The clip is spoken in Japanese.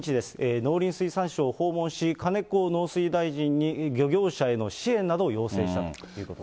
農林水産省を訪問し、金子農水大臣に漁業者への支援などを要請したということです。